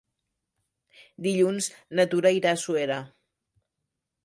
Dilluns na Tura irà a Suera.